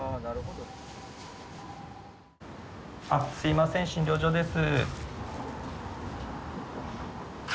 あっすいません診療所です。